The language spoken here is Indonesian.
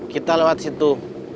kita lewat situ